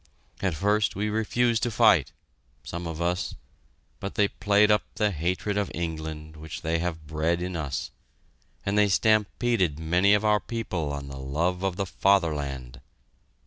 At first we refused to fight some of us but they played up the hatred of England which they have bred in us; and they stampeded many of our people on the love of the Fatherland.